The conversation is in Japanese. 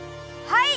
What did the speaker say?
はい！